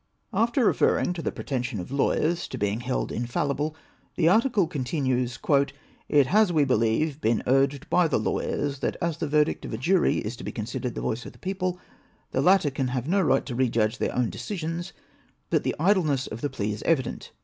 After referring to the pretenson of lawyers to being held infallible, the article continues :" It has, we believe, been urged by the lawyers that, as the verdict of a jury is to be considered the voice of the people, the latter can have no right to rejudge their own decisions, but the idleness of the plea is evident.